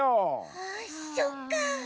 あそっか。